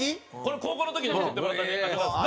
高校の時に送ってもらった年賀状なんです。